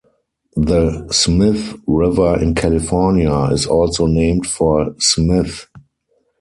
The Smith River in California is also named for Smith.